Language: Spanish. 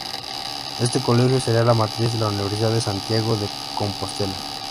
Este colegio sería la matriz de la Universidad de Santiago de Compostela.